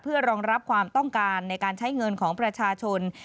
เพื่อรองรับความต้องการในการใช้เงินของประชาชน